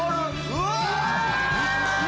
・うわ！